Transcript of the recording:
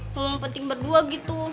ngomong penting berdua gitu